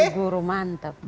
nono jadi guru mantep